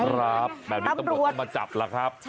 ครับแบบนี้ตำรวจต้องมาจับล่ะครับ